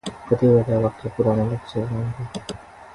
कति वटा वाक्य पुर्याउने लक्ष्य हो हाम्रो?